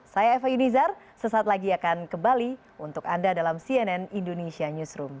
saya eva yunizar sesaat lagi akan kembali untuk anda dalam cnn indonesia newsroom